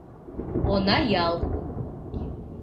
Онаял